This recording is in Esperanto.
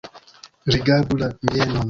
Rigardu la mienon!